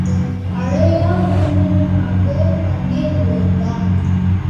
அழையா விருந்தினனாக அங்கே நுழைந்தான்.